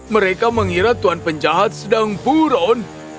mereka mengira tuhan penjahat sedang buron